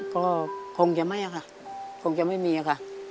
ก็คงจะไม่ค่ะคงจะไม่มีค่ะ